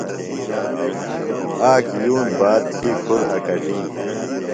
آک یُون باد تھی کُھر اکٹیۡ۔